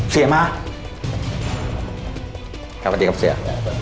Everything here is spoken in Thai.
เสียมาสวัสดีครับเสีย